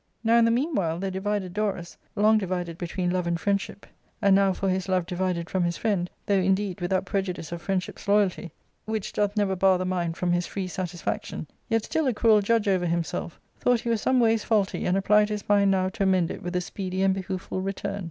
Now, in the meanwhile, the divided Dorus, long divided between love and friendship, and now for his love divided from his friend, though, indeed, without prejudice of friend ship's loyalty, which doth never bar the mind from his free satisfaction, yet still a cruel judge over himself, thought he was some ways faulty, and applied his mind now to amend it with a speedy and behooiful return.